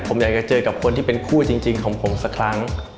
ผมอยากจะเจอกับคนที่เป็นคู่จริงของผมสักครั้ง